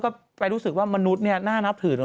ก็ไปรู้สึกว่ามนุษย์เนี่ยน่านับถือ